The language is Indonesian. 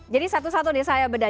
jadi satu satu nih saya beda